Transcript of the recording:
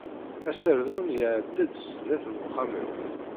Aserdun iɛedda-d sdat n wexam-iw.